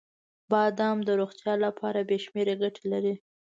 • بادام د روغتیا لپاره بې شمیره ګټې لري.